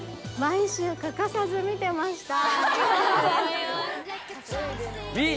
毎週、欠かさず見てました。